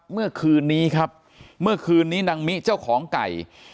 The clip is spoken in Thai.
เมื่อคืนนี้ครับเมื่อคืนนี้นางมิเจ้าของไก่